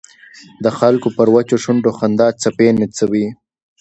د خلکو پر وچو شونډو د خندا څپې نڅوي.